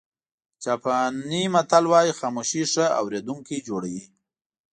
جاپاني متل وایي خاموشي ښه اورېدونکی جوړوي.